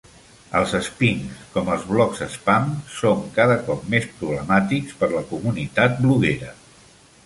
Els spings, com els blogs spam, són cada cop més problemàtics per la comunitat bloguera.